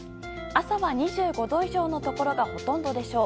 朝は２５度以上のところがほとんどでしょう。